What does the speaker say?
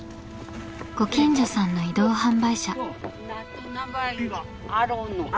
ご近所さんの移動販売車。